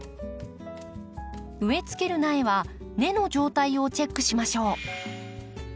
植えつける苗は根の状態をチェックしましょう。